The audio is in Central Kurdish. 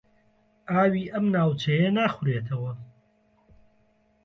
ئاوی ئەم ناوچەیە ناخورێتەوە.